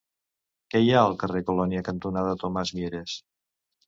Què hi ha al carrer Colònia cantonada Tomàs Mieres?